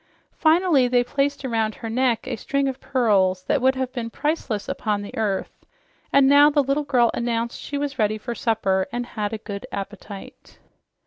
Finally they placed around her neck a string of pearls that would have been priceless upon the earth, and now the little girl announced she was ready for supper and had a good appetite.